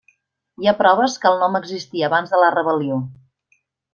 Hi ha proves que el nom existia abans de la rebel·lió.